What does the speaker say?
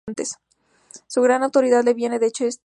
Su gran autoridad le viene de este hecho.